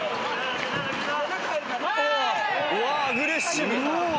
うわアグレッシブ！